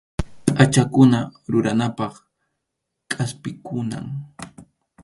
Pʼachakuna ruranapaq kʼaspikunam.